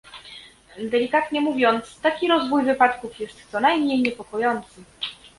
Delikatnie mówiąc, taki rozwój wypadków jest co najmniej niepokojący